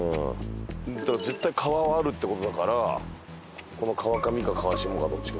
絶対川はあるって事だからこの川上か川下かどっちか。